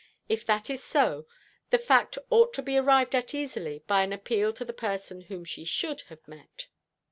If that is so, the fact ought to be arrived at easily by an appeal to the person whom she should have met."